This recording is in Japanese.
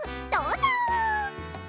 どうぞ！